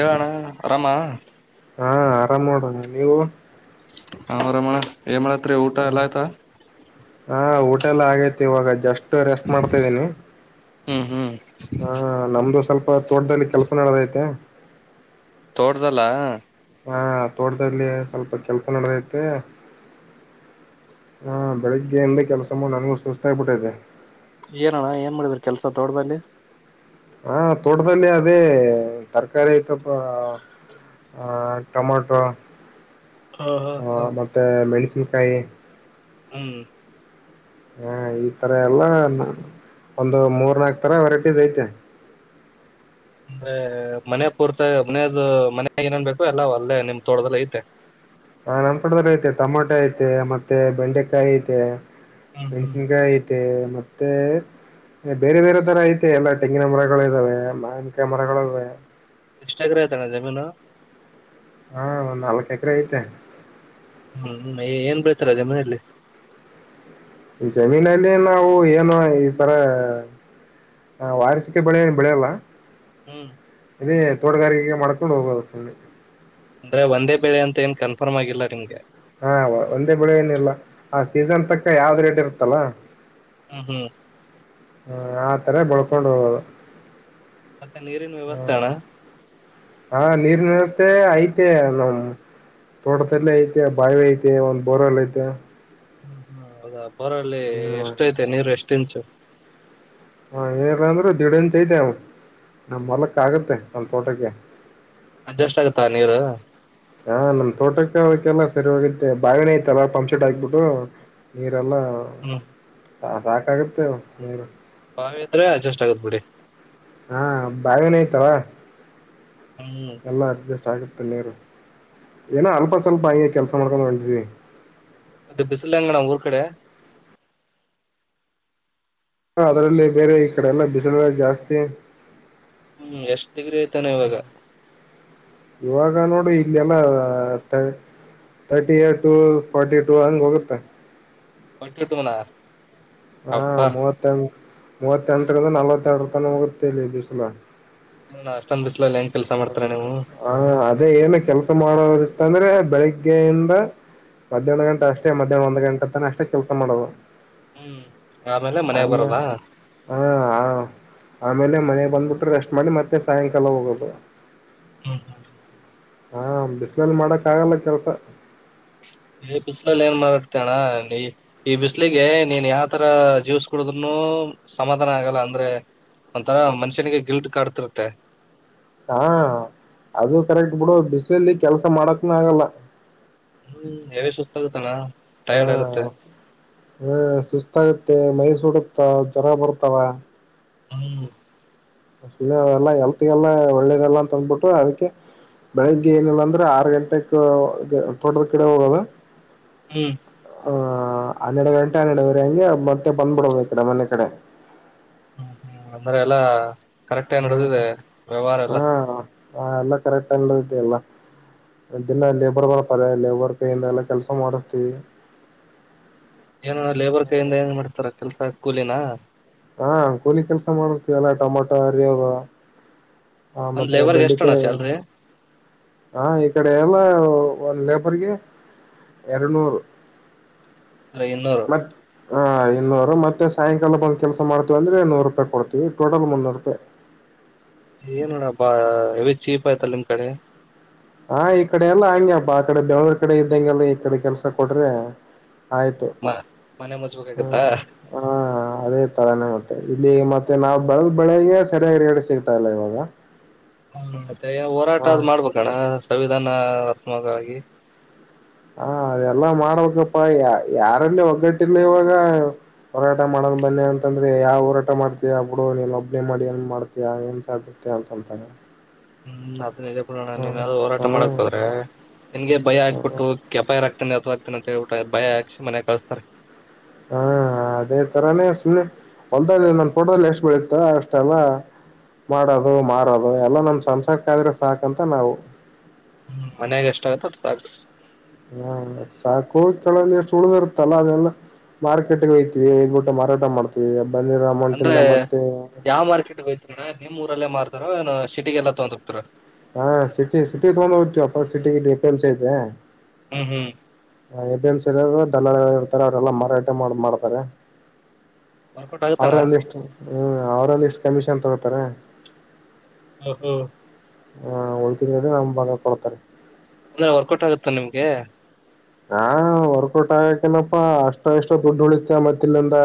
ಏನ್ ಅಣ್ಣಾ ಅರಾಮ ಹಾ ಆರಾಮ್ ನೋಡು ನೀವು. ಹ್ರ ಮ ಏ ಮಾಡತ್ರಿ ಊಟ ಎಲ್ಲ ಆಯ್ತಾ ಹಾ ಊಟೆಲ್ಲ ಆಗೇತಿ ಇವಾಗ ಜಸ್ಟ್ ರೆಸ್ಟ್ ಮಾಡ್ತಾ ಇದ್ದೀನಿ ಹ್ಮ್ ಹ್ಮ್ ಹ ನಮ್ದ ಸ್ವಲ್ಪ ತೋಟದಲ್ಲಿ ಕೆಲಸ ನಡದೈತೆ ತೋಡ್ದಲ್ಲ ಹಾ ತೋಟದಲ್ಲಿ ಸ್ವಲ್ಪ ಕೆಲ್ಸ ನಡದೈತೆ ಹಾ ಬೆಳಿಗ್ಗೆಯಿಂದ ಕೆಲಸ ನನಗೂ ಸುಸ್ತಾಗಬಿಟ್ಟೈತೆ ಏನಣ್ಣ ಏನ್ ಮಾಡಿದ್ರ ಕೆಲ್ಸ ತೋಡ್ದದಲ್ಲಿ ಹಾ ತೋಟದಲ್ಲಿ ಅದೇ ತರಕಾರಿ ಐತಪ್ಪ ಆ ಟೊಮಾಟೊ ಹಾ ಮತ್ತೆ ಮೆಣಸಿನ್ಕಾಯಿ ಹ್ಮ್ ಹಾ ಈ ತರ ಎಲ್ಲ ಒಂದು ಮೂರ್ನಾಕ್ ತರ ವೆರೈಟೀಸ್ ಐತೆ ಅಂದ್ರೆ ಮನೆ ಪೂರ್ತ ಮನದು ಮ ನ ಏನೇನ್ ಬೇಕು ಎಲ್ಲ ಒಲ್ಲೆ ನಿಮ್ ತೋಟದದಲ್ಲಿಲ್ಲ ಐತೆ ಹಾ ನನ್ ತಡದ್ರೆ ಐತೆ ಟಮೊಟ ಐತೆ ಮತ್ತೆ ಬೆಂಡೆಕಾಯಿ ಐತೆ ಹ್ಮ್ ಹ್ಮ್ ಮೆಣಸಿನ್ಕಾಯಿ ಐತೆ ಮತ್ತೆ ಬೇರೆ ಬೇರೆ ತರ ಐತೆ ಎಲ್ಲ ತೆಂಗಿನ ಮರಗಳು ಇದ್ದಾವೆ ಮಾಕ ಮರಗಳು ಎಷ್ಟಾಗ್ರತಾನ ಜಮೀನು ಹಾ ಒಂದ್ ನಾಲ್ಕ್ ಎಕರೆ ಐತೆ ಹ್ಮ್ ಏನ್ ಬಳ್ತಾರ ಅಜ ಮನೆಯಲ್ಲಿ ಜಮೀನಲ್ಲಿ ನಾವು ಏನು ಈ ತರ ಹ ವಾರ್ಸಿಕೆ ಬೆಳೆ ಏನು ಬೆಳೆಯಲ್ಲ ಹ್ಮ್ ಇ ತೋಟಗಾರಿಕೆಗೆ ಮಾಡ್ಕೊಂಡು ಹೋಗೋದು ಸುಣೆ ಅಂದ್ರೆ ಒಂದೇ ಬೆಳೆ ಅಂತ ಏನ್ ಕನ್ಫರ್ಮ್ ಆಗಿಲ್ಲ ನಿಮ್ಗೆ ಹಾ ಒಂದೇ ಬೆಳೆ ಏನಿಲ್ಲ ಆ ಸೀಸನ್ ತಕ್ಕ ಯಾವ್ದ ರೇಟ್ ಇರುತ್ತಲ್ಲ ಹ್ಮ ಹ್ಮ್ ಹ್ಮ ಆತರ ಬಳ್ಕೊಂಡ್ ಹೋಗೋದು ಮತ್ತೆ ನೀರಿನ ಹ ವ್ಯವಸ್ಥೆ ಆಣ್ಣ ಹಾ ನೀರ್ ವ್ಯವಸ್ಥೆ ಐತೆ ನ ತೋಟದಲ್ಲ ಐತೆ ಬಾವಿ ಐತೆ ಒಂದ್ ಬೋರಲ್ಲ ಐತೆ ಹ್ಮ ಹ್ಮ ಹೌದಾ ಬರಲ್ಲಿ ಹ್ಮ್ ಎಷ್ಟ ಐತೆ ನೀರು ಎಷ್ಟ ಇಂಚು ಹಾ ಏನಿಲ್ಲ ಅಂದ್ರೆ ದಿಡಂ ಚೈತೆ ಅವ ನಮ್ಮ ಮಲಕ್ಕ ಆಗತ್ತೆ ಒಲ್ ತೋಟಕ್ಕೆ ಅಡ್ಜಸ್ಟ್ ಆಗತ್ತಾ ನೀರು ಹಾ ನಮ್ ತೋಟಕ್ಕೆ ಆಯತಲ್ಲಾ ಸರಿ ಹೋಗುತ್ತೆ ಬಾವಿನ ಐತಲ್ಲ ಪಂಚರ್ಡ್ ಆಗ್ಬಿಟ್ಟು ಲ್ಲ ಹ್ಮ್ ಸಾಕಾಗುತ್ತೆ ನೀರು ನಾವ್ರೆ ಅಡ್ಜಸ್ಟ್ ಆಗತ್ ಬಿಡಿ ಹಾ ಬಾವನಯ್ತವಾ ಹ್ಮ್ ಅಲ್ಲ ಅರ್ಜ ತ್ತ ನೀರು ಏನ ಅಲ್ಪ ಸ್ವಲ್ಪ ಹಿ ಕೆಲ್ಸ ಮಾಡ್ಕೊಂಡ್ ಹೊಿದೀವಿ ಮತ್ತೆ ಬಿಸಿಲಂಗಣ ಊರ್ ಕಡೆ ಅದರಲ್ಲಿ ಬೇರೆ ಈ ಕಡೆಲ್ಲ ಬಿಸಿಲುಲ್ಲ ಜಾಸ್ತಿ ಹ್ಮ್ ಎಷ್ಟ್ ಡಿಗ್ರಿ ಐತಾನ ಇವಾಗ ಯವಾಗಾನೋಡ ಇಲ್ಲಲ್ಲಾತ್ತ ತರ್ಟಿ ಟು ಫಾರಟಿ ಟು ಹಂಗ್ ಹೋಗುತ್ತೆ ಒಯಟ್ಟುಟುನ ಹಾ ಮೂವತ್ತ ಮೂವತ್ತೆಂಟರಿಂದ ನಲ್ವತ್ತೆ ಎರ ರ ತಾನ ಹೋಗುತ್ತೆಲ್ಲಿ ಬಿವಿಸಲ ಏನಣ್ಣ ಅಷ್ಟೊಂದ್ ಬಿಸ್ಲಲ್ಲಿ ಹೆಂಗ್ ಕೆಲ್ಸ ಮಾಡ್ತಾರ ನೀವು ಹ ಹ ಅದೇ ಏನು ಕೆಲ್ಸ ಮಾಡೋ ಅಂದ್ರೆ ಬೆಳಿಗ್ಗೆಯಿಂದ ಮಧ್ಯಾಹ್ನ ಗಂಟೆ ಅಷ್ಟೇ ಮಧ್ಯಾಹ್ನ ಒಂದ್ ಗಂಟೆ ತಾನ ಅಷ್ಟೇ ಕೆಲ್ಸ ಮಾಡೋದು ಹ್ಮ್ ಆಮೇಲೆ ಮನೆಗ್ ಆಮ ಬರೋದಾ ಹ ಹ ಆಮೇಲೆ ಮನೆ [unintelligible] ಬಂದ್ಬಿಟ್ರೆ ರೆಸ್ಟ್ ಮಾಡಿ ಮತ್ತೆ ಸಾಯಂಕಾಲ ಹೋಗೋದು. ಹ್ಮ ಹ್ಮ [inaudible] ಹಾ, ಬಿಸಿಲಲ್ಲಿ ಮಾಡಕ್ ಆಗಲ್ಲ ಕೆಲ್ಸ. - ಈ ಬಿಸಿಲಲ್ಲಿ ಏನ್ ಮಾಡ್ತೇ ಅಣ್ಣ ನೀ ಈ ಬಿಸಲಿಗೆ ನೀನ್ ಯಾವ ತರ ಜ್ಯೂಸ್ ಕುಡುದ್ರುನು ಸಮಾಧಾನ ಆಗಲ್ಲ ಅಂದ್ರೆ ಒಂಥರ ಮನುಷ್ಯನಿಗೆ ಗಿಲ್ಟ್ ಕಾಡ್ತಿರುತ್ತೆ. ಹಾ, ಅದು ಕರೆಕ್ಟ್ ಬಿಡು ಬಿಸ್ಲಲ್ಲಿ ಕೆಲ್ಸ ಮಾಡಕ್ ಆಗಲ್ಲ. ಹ್ಮ್, ಎವಿ ಸುಸ್ತ ಆಗುತ್ತಣ ಟೈರ್ಡ್ ಆಗತ್ತೆ. ಹ್ಮ, ಸುಸ್ತಾಗುತ್ತೆ ಮೈ ಸುಡುತ್ತ ಜ್ವರ ಬರುತಾವ. ಹಮ [inaudible] ಸುಮ್ಮ ಅವಲ್ಲ ಎಲ್ತ್ಗೆಲ್ಲ ಒಳ್ಳೇದಲ್ಲ ಅಂತ ಅಂದಬಿಟ್ಟು ಅದಕ್ಕೆ ಬೆಳಿಗ್ಗೆ ಏನಿಲ್ಲ ಅಂದ್ರೆ ಆರು ಗಂಟೆಕ್ ತೋಟದ ಕಡೆ ಹೋಗದ. ಹ್ಮ್ ಹ [unintelligible] ಹ, ಹನ್ನೆರಡು ಗಂಟೆ ಹನ್ನೆಡವರೆ ಹಂಗೆ ಮತ್ತೆ ಬಂದ್ಬಿಡ್ಬೇಕು ಕಡೆ ಮನೆ ಕಡೆಹ ಹ್ಮ್, ಹ್ಮ್ ಅಂದ್ರೆ ಎಲ್ಲಾ ಕರೆಕ್ಟಾಗಿ ನಡೆದಿದೆ ಹ್ಮ್ ವ್ಯವಹಾರ ಎಲ್ಲ. ಹಾ ಹ, ಎಲ್ಲ ಕರೆಕ್ಟ್ ಆಗಿನಡಿದಿದೆಲ್ಲ ಎಲ್ಲ ಲೇಬರ್ ಪರ- ಇಲ್ಲವರ್ ಕೈಯಿಂದ ಎಲ್ಲ ಕೆಲಸ ಮಾಡಿಸತೀವಿ. ಏನ ಲೇಬರ್ ಕೈಯಿಂದ ಏನ್ ಮಾಡ್ತಾರ ಕೆಲ್ಸ ಕೂಲಿನ ಹಾ, ಕೋಲಿ ಕೆಲ್ಸ ಮಾಡ್ಸರ್ತೀವಲ್ಲ ಟೊಮೊಟೊ ಹರಿಯವು. ಹಾ, ಒಂದ್ ಮತ್ತೆ ಲೇಬರ್ಗೆ ಎಷ್ಟಣ್ಣ ಬೆಂಡಿಕಾಯಿ, ಸ್ಯಾಲ್ರಿ ಹಾ, ಈಕಡೆ ಎಲ್ಲ ಒಂದ ಲೇಬರ್ಗೆ ಎರಡುನೂರು. ಐನ್ನೂರು [unintelligible] ಹಾ, ಇನ್ನೂರು ಮತ್ತೆ ಸಾಯಂಕಾಲ ಬಂದ ಕೆಲಸ ಮಾಡ್ತೀವಿ ಅಂದ್ರೆ ನೂರು ರೂಪಾಯಿ ಕೊಡ್ತೀವಿ. ಟೋಟಲ್ ಮುನ್ನೂರು ರೂಪಾಯಿ- ಹ [inaudible] ಏನ್ಬಿಡಪಾ ಚೀಪ್ ಆಯ್ತಲ್ಲ ನಿಮ್ ಕಡೆ. ಹಾ, ಈ ಕಡೆ ಎಲ್ಲಾ ಹಂಗೆಪ್ಪ ಆ ಕಡೆ ಬೆಂಗಳೂರು ಕಡೆ ಇದ್ದಂಗಿಲ್ಲ ಈ ಕಡೆ ಕೆಲ್ಸ ಕೊಟ್ರೆ, ಆಯ್ತು, ಮನೆ ಮುಚ್ಬೇಕಾಗತ್ತಾ ಹ್ಮ ಹಾ ಅದೇ ತರಾನೇ ಮ [unintelligible] ಇಲ್ಲಿ ಮತ್ತೆ ನಾವ್ ಬೆಳದ್ ಬೆಳೆಗೆ ಸರಿಯಾಗಿ ರೆಟ್ ಸಿಗ್ತಾ ಇಲ್ಲ ಇವಾಗ. ಹ್ಮ, ಮತ್ತೇನ ಹೋರಾಟ ಹ ಅದ್ ಮಾಡ್ಬೇಕಣ್ಣ ಸಂವಿಧಾನಾತ್ಮಕವಾಗಿ ಹಾ, ಅದೆಲ್ಲಾ ಮಾಡ್ಬೇಕಪ್ಪಾ ಯಾರಲ್ಲಿ ಒಗ್ಗಟ್ಟಿಲ್ಲ ಇವಾಗ ಹೋರಾಟ ಮಾಡೋ ಬನ್ನಿ ಅಂತಂದ್ರೆ ಯಾವ ಹೋರಾಟ ಮಾಡ್ತೀಯ ಬಿಡು, ನೀನ್ ಒಬ್ನಿ ಮಾಡಿ ಏನ್ ಮಾಡ್ತೀಯ ಏನ್ಸ ತಂತಂತ [unintelligible] ಹ್ಮ್, ಅದನ್ನ ಕೊಡೋಣ ನಾದ್ರು ಹೋರಾಟ ಮಾಡಕ್ ಹ್ಮ್ ಹೋದ್ರೆ ನಿನ್ಗೆ ಭಯ ಆಕ್ಬಿಟ್ಟು ಕೆಪಾಯರಾಕ್, ಾಗ್ [unintelligible] ಅಂತೇಳ್ಬಿಟ್ಟೆ ಭಯಾಕ್ಷಿ ಮನೆಗ ಕಳಸ್ತಾರೆ. ಹಾ [unintelligible] ಅದೇ ತರಾನೇ ಸುಮ್ಮನೆ ಹೊಲ್ದ ನನ್ ತೋಟದಲ್ಲಿ ಎಷ್ಟು ಬೆಳೀತ್ತ ಅಷ್ಟೆಲ್ಲಾ ಮಾಡೋದು ಮಾರದು ಎಲ್ಲಾ ನಮ್ ಸಂಸಾರಕ್ಕ ಆದ್ರೆ ಸಾಕಂತ ನಾವು ಹ್ಮ್, ಮನ್ಯಾಗ ಎಷ್ಟ ಆಗುತ್ತ ಅರ್ಸಗ್ತ [unintelligible] ಹಾ, ಕೋವಿಲ್ಲಿ ಎಷ್ಟು ಉಳಗ ಇರುತ್ತಲ್ಲ ಅದೆಲ್ಲ ಮಾರ್ಕೆಟ್ ಹೋಯ್ತಬಿಟ್ಟ ಮಾರಾಟ ಮಾಡತೀವಿ. ಅಂದ್ರೆ ಯಾವ ಮಾರ್ಕೆಟ್ ಹೋಯ್ತರಿ ನಿಮ್ ಊರಲ್ಲೇ ಮಾರ್ತಾರಏನ್ ಸಿಟಿಗೆಲ್ಲ ತಗಂದ ಹೋಗತೀರಾ ಹಾ ಸಿಟಿ ಸಿಟಿ ತಗೊಂಡ್ ಹೋಗ್ತವಿ ಅಪ್ಪಾ ಎಪಿಎಮ್ಸಿ ಐತೆ. ಹ್ಮ್, ಹ್ಮ್ ಎಪಿ ಎಂಸ್ ಇರು ದಲ್ಲಾಳ ಇರ್ತಾರೆ. ಅವರೆಲ್ಲ ಮಾರಾಟ ಮಾಡ್ ಮಾಡ್ತಾರೆ. ವರ್ಕೌಟ್ ಆಗುತ್ತಣ್ಣ ಅವ್ರೊಂದಿಷ್ಟು ಹ್ಮ್, ಅವ್ರೊಂದಿಷ್ಟು ಕಮಿಷನ್ ತಗೋತಾರೆ. ಹ್ಮ ಹ್ಮ [unintelligible] ಹಾ, ಉಳಿತಂದ್ರನಮ ಬಾಗ ಕೊಡ್ತಾರೆ. ಅಂದ್ರೆ ವರ್ಕೌಟ್ ಆಗುತ್ತ ನಿಮ್ಗೆ, - ಹಾ, ವರ್ಕೌಟ್ ಆಗಕೆನಪ್ಪಾ ಅಷ್ಟ ಇಷ್ಟ ದುಡ್ಡು ಉಳಿತ ಮತ್ತಿಲ್ಲಿಂದ.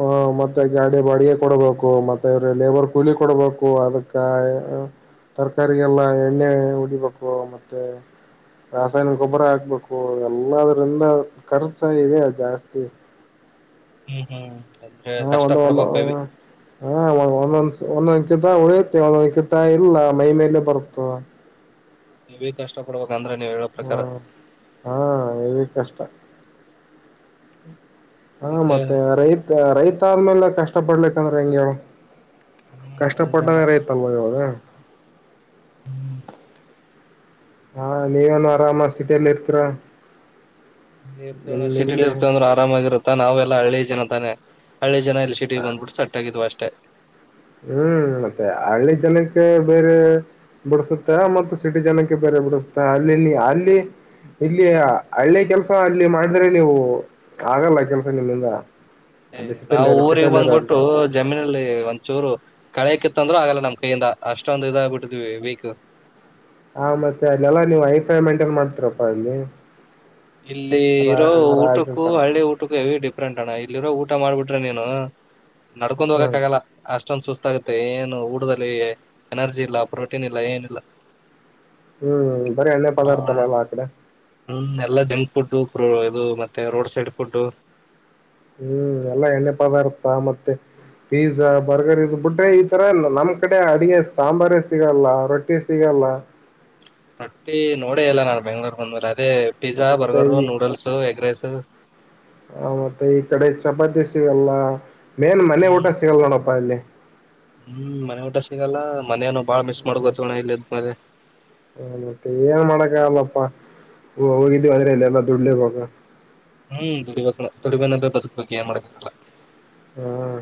ಹ ಮತ್ತೆ ಗಾಡಿ ಬಾಡಿಗೆ ಕೊಡ್ಬೇಕು ಮತ್ತೆ ಇವ್ರೆ ಲೇಬರ್ ಕೂಲಿ ಕೊಡ್ಬೇಕು ಅದಕ್ಕ ತರಕಾರಿಗೆಲ್ಲ ಎಣ್ಣೆ ಉಡಿಬೇಕು ಮತ್ತೆ ರಾಸಾಯನಿಕ ಗೊಬ್ಬರ ಆಗ್ಬೇಕು ಹ ಎಲ್ಲದ್ರಿಂದ ಖರ್ಚ ಇದೆ ಜಾಸ್ತಿ ಹ್ಮ್ ಹ್ಮ್ ಅಂದ್ರೆ ಹಾ ಕಷ್ಟ ಒಂದು ಒಂದ ಪಡ್ಬೇಕು ಹೆವಿ ಹ ಹ ಒಂದ ಒಂದಂಕಿತ ಉಳಿಯುತ್ತೆ ಒಂದೊಂಕಿತ ಇಲ್ಲ ಮೈ ಮೇಲೆ ಬರುತ್ತ ಎ ಕಷ್ಟ ಪಡುವ ಹ್ಮ ಹಾ ಎ ಕಷ್ಟ ಹಾ ಮತ್ತೆ ರೈತ ರೈತಾದ್ಮೇಲೆ ಕಷ್ಟ ಕಷ್ಟ ಪಡ್ಲಿಂದ್ರೆ ಹೆಂಗಗೆ ಹ್ಮ್ ಕಷ್ಟ ಅದನ್ನ ಜನ ಪಟ್ಟದಾರ ಐತಲ್ವ ಇಾವಾಗ ಹ ಹಾ ನೀವೇನು ಆರಾಮ ಸಿಟಿಯಲ್ಲಿ ಇರ್ತೀರ ಇರ್ತೇವಣ್ಣ ಸಿಟಿಲಿ ಇರ್ತ ಅಂದ್ರರು ಆರಾಮಾಗಿರುತ್ತ ನಾವೆಲ್ಲಾ ಹಳ್ಳಿ ಜನ ತಾನೆ ಹಳೆ ಜನ ಇಲ್ಲಿ ಸಿಟಿಗೆ ಬಂದ್ಬಿಟ್ಟು ಸಟ್ ಆಗಿದ್ವು ಅಷ್ಟೇ ಹ್ಮ್ ಮತ್ತೆ ಹಳ್ಳಿ ಜನಕ್ಕೆ ಬೇರೆ ಬಿಡಸುತ್ತೆ ಮತ್ತು ಸಿಟಿ ಜನಕ್ಕೆ ಬೇರೆ ಬಿಡಸುತ್ತ ಅಲ್ಲಿ ನೀ ಅಲ್ಲಿ ಇಲ್ಲಿ ಹಳ್ಳೆ ಕೆಲ್ಸ ಅಲ್ಲಿ ಮಾಡಿದ್ರೆ ನೀವು ಆಗಲ್ಲ ಕೆಲ್ಸ ನಿಮ್ಮಿಂದ ಹ ನಾವು ಊರಿಗೆ ಬಂದ್ಬಿಟ್ಟು ಜಮೀನಲ್ಲಿ ಚೂರು ಕಳೆಕಿತ್ತ ಅಂದ್ರೂ ಆಗಲ್ಲ ನಮ್ ಕೈಯಿಂದ ಅಷ್ಟೊಂದು ಇದಾಗಬಿಟ್ಟಿದ್ವಿ ವೀಕ್ ಹ ಮತ್ತೆ ಅಲ್ಲೆಲ್ಲಾ ನೀವು ಹೈಫೈ ಮೈಂಟೈನ್ ಮಾಡ್ತೀರಪ್ಪಾ ಅಲ್ಲಿ ಇಲ್ಲಿ ರಾ ಇರೋ ರಾಜ್ ಊಟಕ್ಕೂ ಅಂತಾರ ಹಳ್ಳಿ ಊಟಕ್ಕೂ ಹೆ ಡಿಫ್ರೆಂಟ್ ಅಣ್ಣ ಇಲ್ಲಿ ಇರೋ ಊಟ ಮಾಡ್ಬಿಟ್ಟು ನೀನು ನಡ್ಕೊಂಡ್ ಹೋಗಕ್ ಹ್ಮ್ ಆಗಲ್ಲ ಅಷ್ಟೊಂದ ಸುಸ್ತು ಗೊತ್ತಾಗುತ್ತೆ ಏನು ಊಡದಲ್ಲಿ ಎನರ್ಜಿ ಇಲ್ಲ ಪ್ರೋಟೀನ್ ಇಲ್ಲ ಏನಿಲ್ಲ ಹ್ಮ್ ಬರಿ ಎಣ್ಣೆ ಪದಾರ್ಥಲ್ಲಆಕಡೆ ಜಂಗ್ ಫುಡ್ ಇದು ಮತ್ತೆ ರೋಡ್ ಸೈಡ್ ಫುಡ್ ಹ್ಮ್ ಎಲ್ಲಾ ಎಣ್ಣೆಪ್ಪ ಪದಾರ್ಥ ಮತ್ತೆ ಪೀಜಾ ಬರ್ಗರ್ ಇದ್ ಬಿಟ್ರೆ ಈತರ ನಮ್ ಕಡೆ ಅಡಗೆ ಸಾಂಬಾರ ಸಿಗಲ್ಲ ರೊಟ್ಟಿ ಸಿಗಲ್ಲ ಅಲ್ಲ ರಟ್ಟಿ ನೋಡ ಇಲ್ಲ ನಾನನ್ ಬೆಂಗಗಳೂರ್ ಬಂದ್ಮೇಲೆ ಅದೇ ಪಿಜ್ಜಾ ಮತ್ತೆ ಬರ್ಗರು ಈ ನೂಡಲ್ಸ್ ಎಗ್ ರೈಸ್ ಹ ಮತ್ತೆ ಈ ಕಡೆ ಚಪಾತಿ ಸಿಗಲ್ಲ ಮೇನ್ ಮನೆ ಊಟ ಹ್ಮ್ ಸಿಗಲ್ ನೋಡಪ್ಪಾ ಅಲ್ಲಿ ಹ್ಮ್ ಮನೆ ಊಟ ಸಿಗಲ್ಲ ಮನೇನು ಬಾಳ ಮಿಸ್ ಮಾಡ ಗೊತ್ತಣ ಇಲ್ಲಿ ಮೆ ಹ ಮತ್ತೆ ಏನ್ ಮಾಡಕ್ಕ ಆಗಲ್ಲಪ್ಪಾ ಹೋಗಿದವಿ ಆದದ್ರೆ ಎಲ್ಲೆಲ್ಲಾ ದುಡ್ಲಿಕ್ಕೆ ಹೋಗ ಹ್ಮ್ ದುಡಿಬೇಕ ದುಡಿಬನ ಬದುಕಬೇಕು ಏನ್ ಮಾಡ್ಬೇಕಲ್ಲ ಹ್ಮ್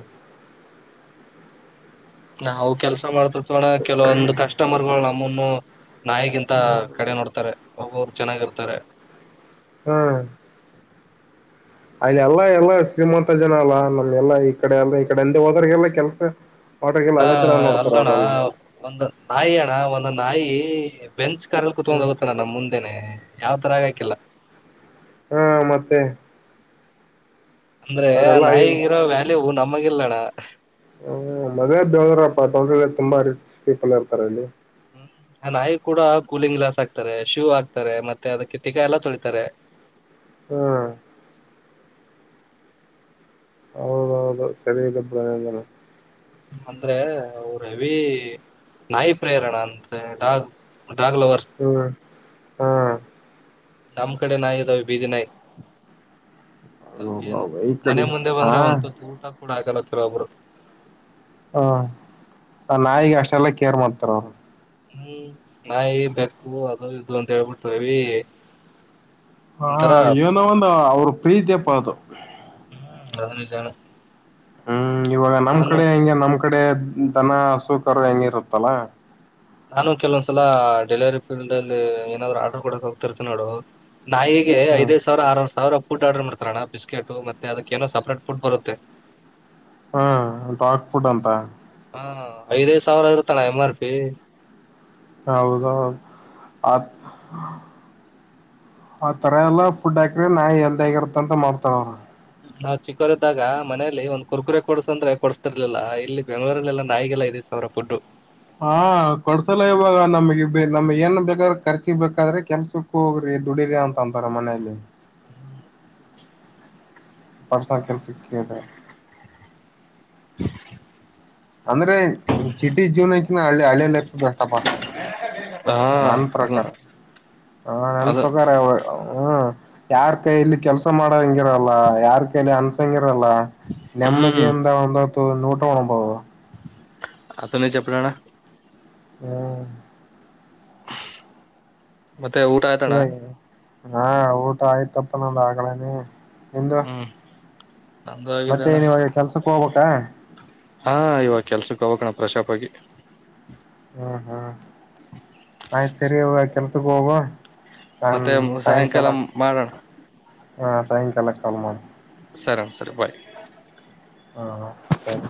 ನಾವು ಕೆಲ್ಸ ಮಾಡ್ತ ಇರ್ತೀವಿ ಕೆಲವೊಂದು ಕಸ್ಟಮರ್ಗಳು ನಮ್ಮನ್ನು ನಾಯಿಗಿಂತ ಕಡೆ ನೋಡ್ತಾರೆ ಒಬ್ಬಬರು ಚೆನ್ನಾಗಿರ್ತಾರೆ ಹ್ಮ್ ಅ್ ಎಲ್ಲಾ ಎಲ್ಲಾ ಶ್ರೀಮಂತ ಜನ ಅಲ್ಲಾ ನಮ್ ಎಲ್ಲಾ ಈ ಕಡೆ ಎಲ್ಲ ಈ ಕಡೆ ಎಂದ ಹೋದರ್ಗೆಲ್ಲ ಕೆಲ್ಸ ಆಟೋಗೆಲ್ಲ ಅ ಅದೇ ತರ ನೋಡ್ತಾರ ಅಲ್ಲಣ್ಣ ಅವರೆಲ್ಲ ಒಂದ ನಾಯಿ ಅಣ್ಣ ಒಂದೊಂದು ನಾಯಿ ಬೆಂಚ್ ಕಾರಲ್ಲಿ ಹ್ಮ ಕುತ್ಕೊಂಡ್ ಹೋಗುತ್ತಣ್ಣ ನಮ್ ಮುಂದೆನೆ ಯಾವ್ ತರ ಆಗಾಕಿಲ್ಲ ಹಾ ಮತ್ತೆ ಅಂದ್ರೆ ಅವರೆಲ್ಲ ನಾಯಿಗಿರೋ ವ್ಯಾಲ್ಯೂ ನಮಗಿಲ್ಲಣ ಹ್ಮ ಮದ್ವೆ ಬೆಳದ್ರಪ್ಪ ತೊಂದ್ರೆ ತುಂಬಾ ರಿಚ್ ಪೀಪಲ್ ಇರ್ತಾರೆ ಅಲ್ಲಿ ಹ್ಮ್ ನಾಯಿ ಕೂಡ ಕೂಲಿಂಗ್ ಗ್ಲಾಸ್ ಆಾಕ್ತಾರೆ ಶೂ ಆಾಕ್ತಾರೆ ಮತ್ತೆ ಅದ ಕಿತ್ತಿಕಾಯಿ ಎಲ್ಲ ತೊಳಿತಾರೆ ಹ್ಮ್ ಹೌದೌದು ಸರಿ ಇದೆ ಬಾನ ಅಂದ್ರೆ ಅವ್ರ ಹೆವಿ ನಾಯಿ ಪ್ರೇರಣ ಅಂದ್ರೆ ಡಾಗ್ ಡಾಗ್ ಲವರ್ಸ್ ಹ್ಮ್ ಹಾ ನಮ್ ಕಡೆ ನಾಯ ಇದಾವ ಬೀದಿ ನಾಯ್ ಅದಕ್ಕೇಏನ್ ಈ ಮನೆ ಕಡೆ ಮುಂದೆ ಬಂದ್ರೆ ಹಾ ಒಂತ ಊಟ ಕೂಡ ಆಗಲತ್ತರ ಒಬ್ರು ಹ್ಮ ನಾಯಿಗೆ ಅಷ್ಟೆಲ್ಲ ಕೇರ್ ಮಾಡ್ತಾರ ಅವ್ರು ಹ್ಮ್ ನಾಯಿ ಬೆಕ್ಕು ಅದ ಇದು ಅಂತ ಹೇಳ್ಬಿಟ್ಟೀ ಹಾ ಏನೋ ಒಂದು ಅವ್ರ ಪ್ರೀತಿಯಪ್ಪದು ಎಚ ಹ್ಮ್ ಇವಾಗ ನಮ್ ಕಡೆ ಹಿಂಗ ನಮ್ ಕಡೆ ದನ ಅಸೂಕರ ಹೆಂಗಿರುತ್ತಲ್ಲ ನಾನು ಕೆಲವೊಂದ್ಸಲ ಡೆಲಿವರಿ ಫೀಲ್ಡ್ ಅಲ್ಲಿ ಏನಾದ್ರು ಆರ್ಡರ್ ಕೊಡಕ್ ಹೋಗ್ತಿರ್ತೀನಿ ನೋಡು ನಾಯಿಗೆ ಹ್ಮ್ ಐದೈದು ಸಾವಿರ ಆರ ಸಾವಿರ ಫುಡ್ ಆರ್ಡರ್ ಮಾಡ್ತಾರಣ್ಣ ಬಿಸ್ಕೆಟು ಮತ್ತೆ ಅದಕ್ಕೆ ಏನೋ ಸಪ್ರೇಟ್ಫುಡ್ ಬರುತ್ತೆ ಹ್ಮ ಡಾಕ್ ಫುಡ್ ಅಂತ ಹಾ ಐದೈದು ಸಾವಿರ ಇರುತ್ತಲ ಎಂ್ ಆರ್ ಪಿ ಹೌದೌ ಆ ಆ ತರ ಎಲ್ಲಾ ಫುಡ್ ಹಾಕ್ರೆ ನಾ ಎಲ್ದ ಆಗಿರತ್ತ ಅಂತ ಮಾಡ್ತಾನ ಅವ್ರ ನಾವ್ ಚಿಕ್ಕೋರ ಇದಿದ್ದಾಗ ಮನೇಲಿ ಒಂದ್ ಕುರ್ಕುರೆ ಕೊಡ್ಸ ಅಂದ್ರೆ ಕೊಡಸ್ತಿರ್ಲಿಲ್ಲ ಇಲ್ಲಿ ಬೆಂಗಳೂರಲ್ಲಾ ನಾಯಿಗೆ ಐದು ಸಾವಿರ ಪಟ್ಟರು ಹಾ ಕೊಡ್ಸಲ್ಲ ಇವಾಗ ನಮ್ಗೆ ನಮ್ಗ್ ಏನ್ ಬೇಕಾದ್ರ ಖರ್ಚಿ ಬೇಕಾದ್ರೆ ಕೆಲ್ಸಕ್ಕ ಹೋಗ್ರಿ ದೂಡಿಂತಾ ಬಾರ ಮನ ಇಲೆ ಹ್ಮ್ ಪರ್ಸಕಲ್ ಸಿಕ್ಕಿದೆ [unintelligible] ಅಂದ್ರೆ ಸಿಟಿ ಜೀನಕಿ ಹಳ್ಳಿ ಹಳ್ಳಿಯಲ್ಲ ಬೆಷ್ಟಪ ಹಾ ನನ್ ಅದು ಪ್ರಕಾರ ಹ ನನ್ನ ಅದು ಪ್ರಕಾರ ಹ್ಮ್ ಯಾರ್ ಕೈಯಲ್ಲಿ ಕೆಲ್ಸ ಮಾಡ ಹಂಗಿರಲ್ಲ ಯಾರ್ ಕೈಲಿ ಅನ್ಸಂಗಿ ಲ್ಲ ಹ್ಮ್ ನೆಮ್ಮದಿಯಿಂದ ಒಂದತ್ತು ನೂಟ ಒ್ಬಹುದು ಅತ್ತನ ಚಪ್ಪಡಣ ಹ್ಮ್ ಮತ್ತೆ ಊಟ ಆಯ್ತಣ್ಣ ಇವಾಗ ಹಾ ಊಟ ಆಯ್ತಪ್ಪ ನಂದ ಆಗ್ಲೇನೆ ನಿಂದ ಹ್ಮ್ ನಂದು ಮತ್ತೆ ಆಗಿದೆಣ್ಣ ನಿವಾಗ ಕೆಲ್ಸಕ್ ಹೋಗ್ಬೇಕ ಹಾ ಇವಾಗ ಕೆಲ್ಸಕ್ಕೆ ಹೋಗೋಗೋಣ ಪ್ರಶಾಪ ಆಗಿ ಹ್ಮ್ ಹ್ಮ್ ಆಯ್ು ಸರಿ ಇವಾಗ ಕೆಲ್ಸಕ್ಕೆ ಹೋಗುವ ನನ್ ಮತ್ತೆ ಸಾಯಂಕಾಲ ಮಾಡೋಣ ಹಾ ಸಾಯಂಕಾಲ ಕಾಲ್ ಮಾಡಿ ಸರ ಸರಿ ಬಾಯ್ ಹಾ ಸರಿ